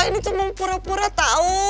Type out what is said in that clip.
ini cuma pura pura tahu